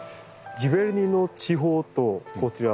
ジヴェルニーの地方とこちら